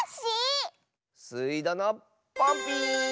スイどのポンピーン！